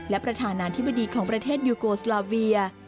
และประธานาธิบดีของประเทศยูโกสลาเวีย